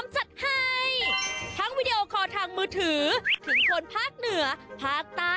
จัดให้ทั้งวีดีโอคอร์ทางมือถือถึงคนภาคเหนือภาคใต้